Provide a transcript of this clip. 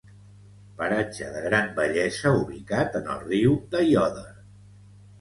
Paratge de gran bellesa ubicat en el riu d'Aiòder.